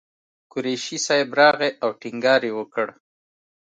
قریشي صاحب راغی او ټینګار یې وکړ.